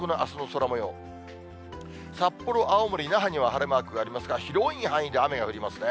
札幌、青森、那覇には晴れマークがありますが、広い範囲で雨が降りますね。